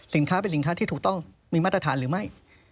สินค้าเป็นสินค้าที่ถูกต้องมีมาตรฐานหรือไม่